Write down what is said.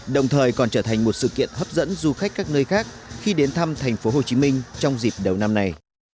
đồng thời còn trở thành một sự kiện hấp dẫn du khách các nơi khác khi đến thăm tp hcm trong dịp đầu năm này